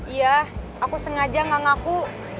iya aku sengaja gak ngaku